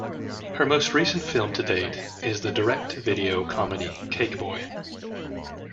Her most recent film to date is the direct-to-video comedy "Cake Boy".